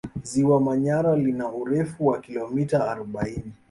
Ziwa Manyara lina urefu wa kilomita arobaini